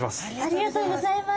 ありがとうございます。